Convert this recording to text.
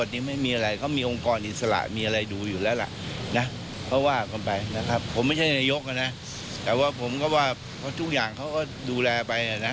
กระโพสไงกระโพสเถอะครับ